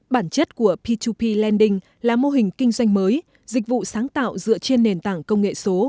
bản chất của p hai p lending là mô hình kinh doanh mới dịch vụ sáng tạo dựa trên nền tảng công nghệ số